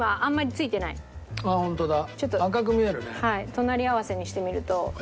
隣り合わせにしてみると。